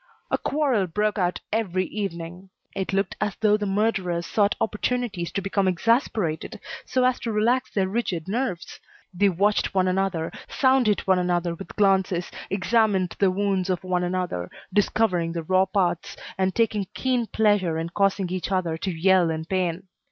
A quarrel broke out every evening. It looked as though the murderers sought opportunities to become exasperated so as to relax their rigid nerves. They watched one another, sounded one another with glances, examined the wounds of one another, discovering the raw parts, and taking keen pleasure in causing each other to yell in pain.